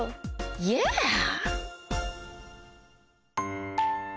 Ｙｅａｈ！